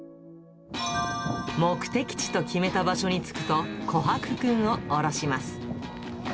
目的地と決めた場所に着くと、コハクくんを降ろします。